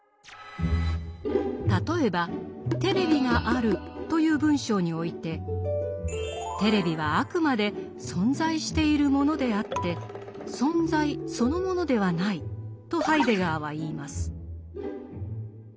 例えば「テレビがある」という文章においてテレビはあくまで「存在しているもの」であって「存在」そのものではないとハイデガーは言います。